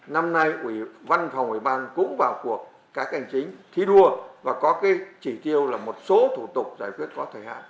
năm nay văn phòng ủy ban cũng vào cuộc các hành chính thi đua và có chỉ tiêu là một số thủ tục giải quyết có thời hạn